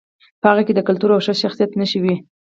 په هغې کې د کلتور او ښه شخصیت نښې وې